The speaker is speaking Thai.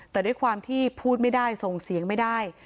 แต่ด้วยความที่พูดไม่ได้ส่งเสียงไม่ได้